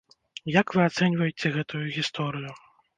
Як вы ацэньваеце гэтую гісторыю?